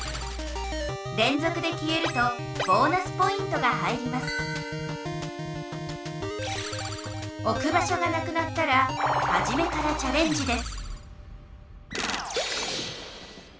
れんぞくで消えるとボーナスポイントが入りますおく場所がなくなったらはじめからチャレンジです